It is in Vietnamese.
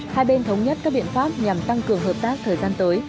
hai bên thống nhất các biện pháp nhằm tăng cường hợp tác thời gian tới